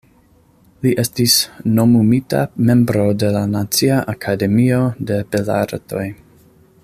Li estis nomumita membro de la Nacia Akademio de Belartoj.